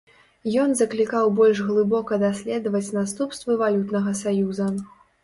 Ён заклікаў больш глыбока даследаваць наступствы валютнага саюза.